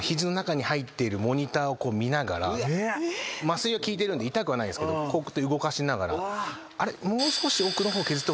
麻酔は効いてるんで痛くはないんですけど動かしながら。